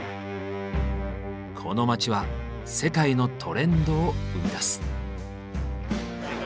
この街は世界のトレンドを生み出す。